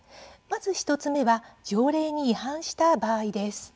１つ目は条例に違反した場合です。